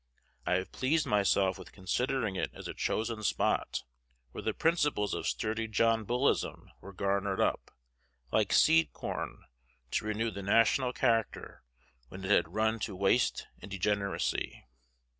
I have pleased myself with considering it as a chosen spot, where the principles of sturdy John Bullism were garnered up, like seed corn, to renew the national character when it had run to waste and degeneracy.